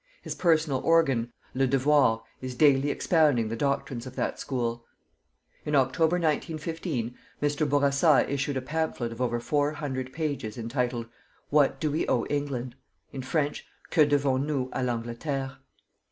His personal organ, "Le Devoir," is daily expounding the doctrines of that School. In October, 1915, Mr. Bourassa issued a pamphlet of over four hundred pages entitled: "What do we owe England?" in French: "_Que devons nous à l'Angleterre?